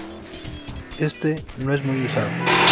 Este no es muy usado.